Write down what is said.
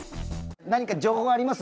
何か情報あります？